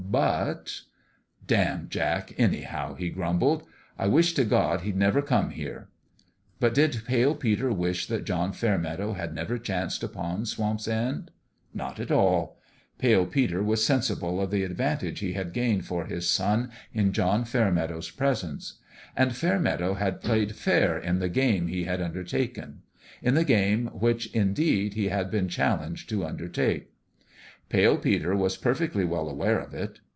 But " Damn Jack, anyhow I " he grumbled. " I wish to God he'd never come here !" But did Pale Peter wish that John Fairmeadow had never chanced upon Swamp's End? Not at all ! Pale Peter was sensible of the advantage he had gained for his son in John Fairmeadow's presence. And Fairmeadow had played fair in the game he had undertaken in the game which, indeed, he had been challenged to under take. Pale Peter was perfectly well aware of it.